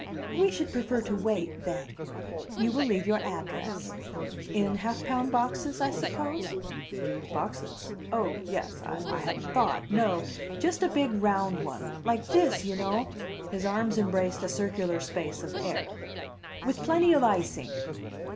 "We should prefer to wait, then. You will leave your address. In half pound boxes, I suppose?" "Boxes? Oh, yes I hadn't thought no just a big, round one. Like this, you know!" His arms embraced a circular space of air. "With plenty of icing."